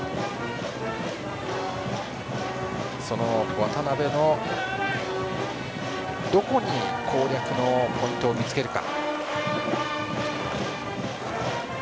渡邉のどこに攻略のポイントを見つけるか。